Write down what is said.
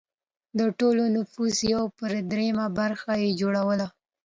د ټول نفوس یو پر درېیمه برخه یې جوړوله